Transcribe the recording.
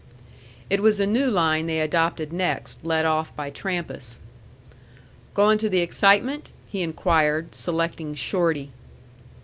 It was a new line they adopted next, led off by Trampas. "Going to the excitement?" he inquired, selecting Shorty.